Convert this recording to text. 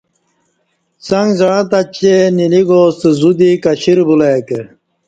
څنگ زعں تت چے نیلی گاستہ زو دی کشر بُلہ ای کہ